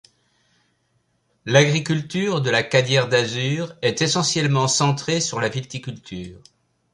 L’agriculture de La Cadière-d'Azur est essentiellement centrée sur la viticulture.